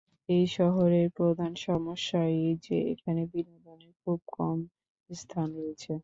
এই শহরের প্রধান সমস্যা এই যে এখানে বিনোদনের খুব কম স্থান রয়েছে।